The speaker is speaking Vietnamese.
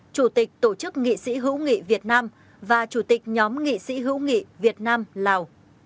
chủ tịch tổ chức nghị sĩ hữu nghị việt nam và chủ tịch nhóm nghị sĩ hữu nghị việt nam lào